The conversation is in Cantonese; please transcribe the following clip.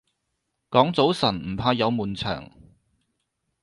講早晨唔怕有悶場